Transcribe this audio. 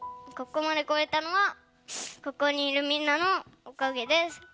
ここまでこれたのはここにいるみんなのおかげです。